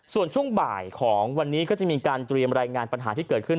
ส่วนช่วงบ่ายของวันนี้ก็จะมีการเตรียมรายงานปัญหาที่เกิดขึ้น